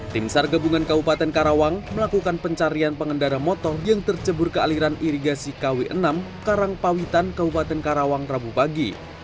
tim sar gabungan kabupaten karawang melakukan pencarian pengendara motor yang tercebur ke aliran irigasi kw enam karangpawitan kabupaten karawang rabu pagi